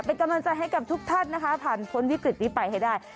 เป็นกำลังใจให้กับทุกท่านนะคะผ่านพ้นวิกฤตนี้ไปให้ได้